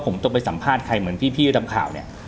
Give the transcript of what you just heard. ผมต้องไปสัมภาษณ์ใครเหมือนที่พี่ทำข่าวเนี่ย